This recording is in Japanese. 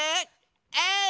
えい！